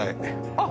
あっ！